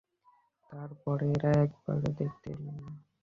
তার পরে এঁরা একবার দেখতেও এলেন না!